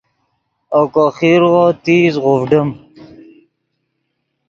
اوکو خیرغو تیز غوڤڈیم